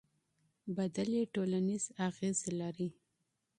سندرې ټولنیز اغېز لري.